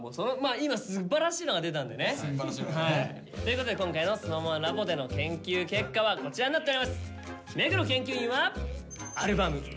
今すばらしいのが出たんでね。ということで今回のＳｎｏｗＭａｎラボでの研究結果はこちらになっております。